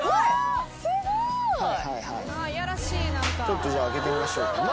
ちょっとじゃあ開けてみましょう。